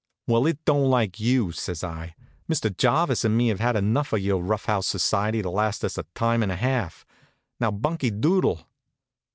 "Well, it don't like you," says I. "Mr. Jarvis and me have had enough of your rough house society to last us a time and a half. Now bunky doodle!"